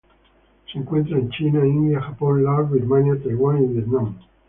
Se encuentra en China, India, Japón, Laos, Birmania, Taiwán y Vietnam.